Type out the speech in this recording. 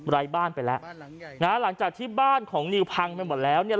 ไร้บ้านไปแล้วบ้านหลังใหญ่นะฮะหลังจากที่บ้านของนิวพังไปหมดแล้วเนี้ย